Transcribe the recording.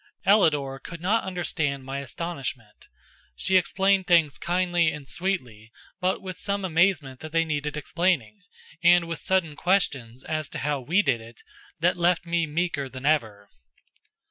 Ellador could not understand my astonishment. She explained things kindly and sweetly, but with some amazement that they needed explaining, and with sudden questions as to how we did it that left me meeker than ever.